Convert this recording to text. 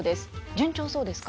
順調そうですか？